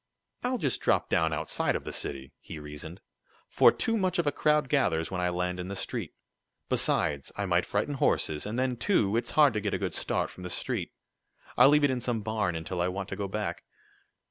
"I'll just drop down outside of the city," he reasoned, "for too much of a crowd gathers when I land in the street. Besides I might frighten horses, and then, too, it's hard to get a good start from the street. I'll leave it in some barn until I want to go back."